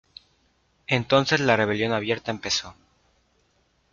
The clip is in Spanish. Entonces la rebelión abierta empezó.